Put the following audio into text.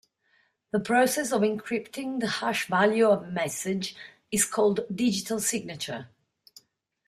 The process of encrypting the hash value of a message is called digital signature.